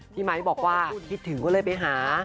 พี่ไม้บอกว่าพิธิถึงก็เลยไปหา